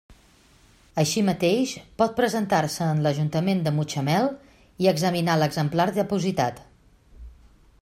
Així mateix pot presentar-se en l'Ajuntament de Mutxamel i examinar l'exemplar depositat.